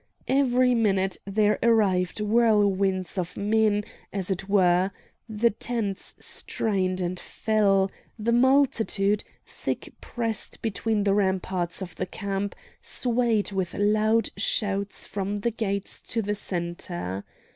Every minute there arrived whirlwinds of men, as it were; the tents strained and fell; the multitude, thick pressed between the ramparts of the camp, swayed with loud shouts from the gates to the centre.